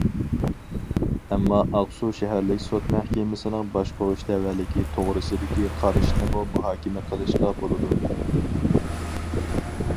ئەمما ئاقسۇ شەھەرلىك سوت مەھكىمىسىنىڭ باشقۇرۇش تەۋەلىكى توغرىسىدىكى قارىشىنىمۇ مۇھاكىمە قىلىشقا بولىدۇ.